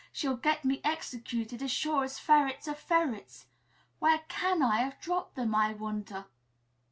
She'll get me executed, as sure as ferrets are ferrets! Where can I have dropped them, I wonder?"